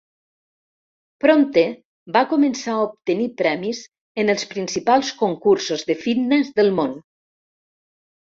Prompte va començar a obtenir premis en els principals concursos de fitness del món.